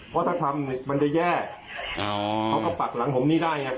เพราะถ้าทำมันจะแย่เขาก็ปักหลังผมไม่ได้ไง